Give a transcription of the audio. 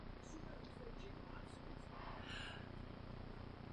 V mládí působil jako hudebník.